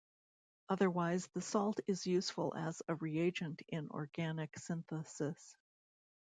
Otherwise the salt is useful as a reagent in organic synthesis.